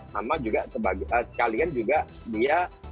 sama juga kalian juga dia